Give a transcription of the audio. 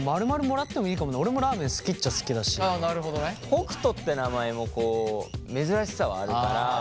北斗って名前も珍しさはあるから。